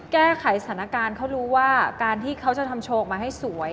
แก้ไขสถานการณ์เขารู้ว่าการที่เขาจะทำโชว์ออกมาให้สวย